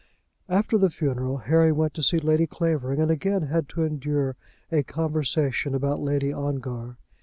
After the funeral Harry went to see Lady Clavering, and again had to endure a conversation about Lady Ongar.